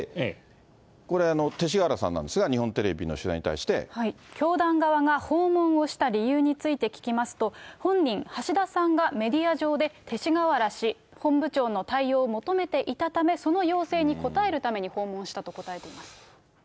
これ、勅使河原さんなんですが、教団側が訪問をした理由について聞きますと、本人、橋田さんがメディア上で勅使河原氏、本部長の対応を求めていたため、その要請に応えるために訪問したと答えています。